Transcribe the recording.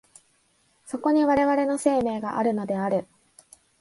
そこに我々の生命があるのである。